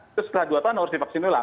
itu setelah dua tahun harus divaksin ulang